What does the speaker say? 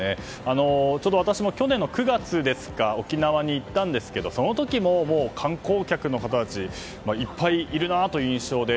私も去年９月沖縄に行ったんですがその時も観光客の方たちいっぱいいるなという印象で。